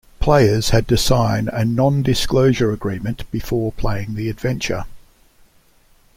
Players had to sign a non-disclosure agreement before playing the adventure.